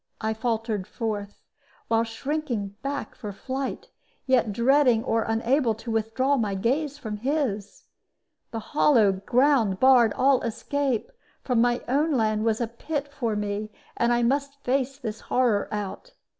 I faltered forth, while shrinking back for flight, yet dreading or unable to withdraw my gaze from his. The hollow ground barred all escape; my own land was a pit for me, and I must face this horror out.